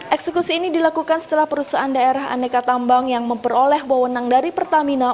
eksekusi ini dilakukan setelah perusahaan daerah aneka tambang yang memperoleh bowenang dari pertamina